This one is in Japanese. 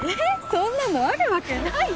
そんなのあるわけないじゃん。